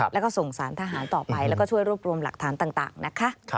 แล้วก็ส่งสารทหารต่อไปแล้วก็ช่วยรวบรวมหลักฐานต่างนะคะ